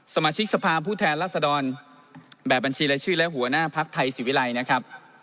สมาชิกสภาพผู้แทนรัศดรแบบบัญชีรายชื่อและหัวหน้าภักดิ์ไทยศิวิลัยนะครับ